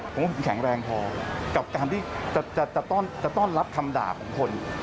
ผมว่าผมแข็งแรงพอกับการที่จะต้อนรับคำด่าของคน